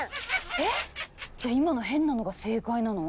えっじゃあ今のヘンなのが正解なの？